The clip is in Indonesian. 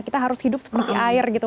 kita harus hidup seperti air gitu